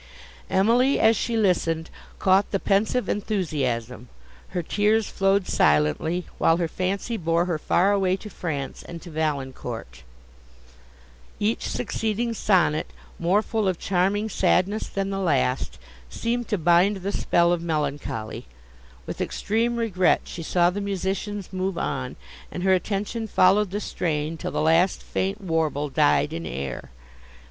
Emily, as she listened, caught the pensive enthusiasm; her tears flowed silently, while her fancy bore her far away to France and to Valancourt. Each succeeding sonnet, more full of charming sadness than the last, seemed to bind the spell of melancholy: with extreme regret she saw the musicians move on, and her attention followed the strain till the last faint warble died in air.